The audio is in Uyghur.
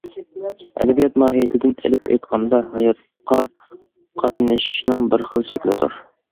ئەدەبىيات ماھىيىتىدىن ئېلىپ ئېيتقاندا ھاياتقا قاتنىشىشنىڭ بىر خىل شەكلىدۇر.